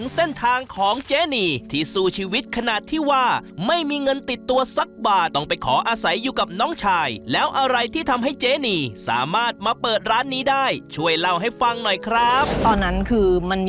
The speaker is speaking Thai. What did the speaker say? เส้นทางของเจนีที่สู้ชีวิตขนาดที่ว่าไม่มีเงินติดตัวสักบาทต้องไปขออาศัยอยู่กับน้องชายแล้วอะไรที่ทำให้เจนีสามารถมาเปิดร้านนี้ได้ช่วยเล่าให้ฟังหน่อยครับตอนนั้นคือมันมี